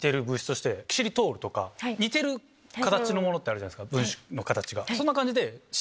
似てる形のものってあるじゃないですか。